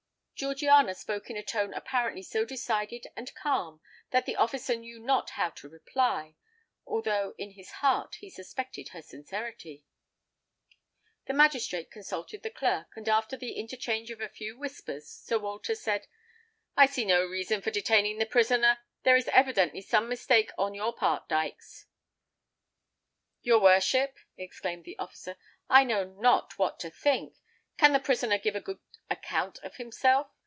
Georgiana spoke in a tone apparently so decided and calm, that the officer knew not how to reply; although in his heart he suspected her sincerity. The magistrate consulted the clerk; and, after the interchange of a few whispers, Sir Walter said, "I see no reason for detaining the prisoner: there is evidently some mistake on your part, Dykes." "Your worship," exclaimed the officer, "I know not what to think. Can the prisoner give a good account of himself?